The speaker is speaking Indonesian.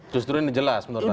justru ini jelas menurut anda